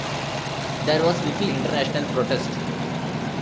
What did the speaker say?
There was little international protest.